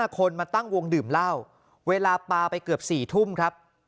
คนมาตั้งวงดื่มเหล้าเวลาปลาไปเกือบ๔ทุ่มครับ